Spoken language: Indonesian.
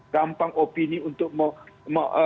gampang opini untuk mau